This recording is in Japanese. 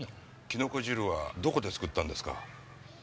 キノコ汁はどこで作ったんですか？